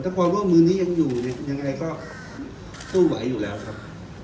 ถ้าความร่วมมือนี้ยังอยู่เนี่ยยังไงก็สู้ไหวอยู่แล้วครับ